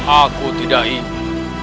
aku tidak ingin